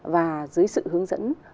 và dưới sự hướng dẫn